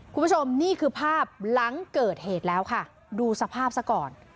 คุณผู้ชมนี่คือภาพหลังเกิดเหตุแล้วค่ะดูสภาพซะก่อน